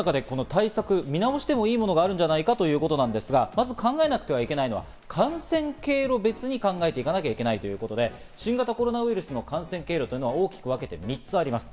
見直してもいいものがあるのじゃないかということですが、考えなくちゃいけないのは、感染経路別に考えていかなければいけないということで、新型コロナウイルスの感染経路は大きく分けて３つあります。